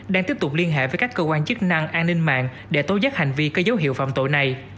đang tiếp tục liên hệ với các cơ quan chức năng an ninh mạng để tố giác hành vi có dấu hiệu phạm tội này